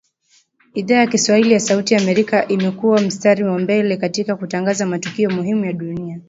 Idhaa ya Kiswahili ya Sauti Amerika imekua mstari wa mbele katika kutangaza matukio muhimu ya dunia